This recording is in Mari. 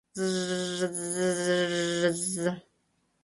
З-ж-ж-з-з-ж-з...